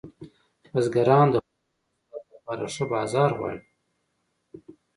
بزګران د خپلو محصولاتو لپاره ښه بازار غواړي.